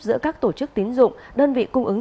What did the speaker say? giữa các tổ chức tiến dụng đơn vị cung ứng